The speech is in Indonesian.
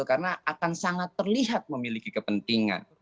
karena akan sangat terlihat memiliki kepentingan